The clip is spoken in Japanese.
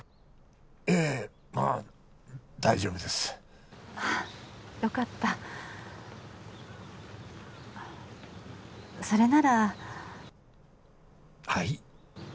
ええまあ大丈夫ですあっよかったそれならはい？